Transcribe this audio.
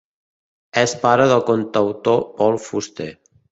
És pare del cantautor Paul Fuster.